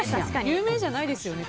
有名じゃないですよね